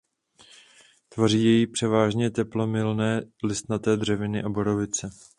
Tvoří jej převážně teplomilné listnaté dřeviny a borovice.